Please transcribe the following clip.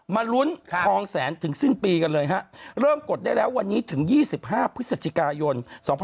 มาลุ้นทองแสนถึงสิ้นปีกันเลยฮะเริ่มกดได้แล้ววันนี้ถึง๒๕พฤศจิกายน๒๕๖๒